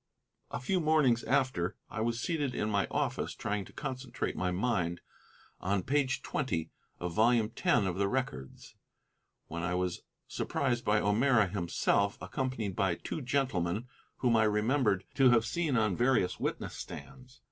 A few mornings after, I was seated in my office trying to concentrate my mind on page twenty of volume ten of the Records when I was surprised by O'Meara himself, accompanied by two gentlemen whom I remembered to have seen on various witness stands.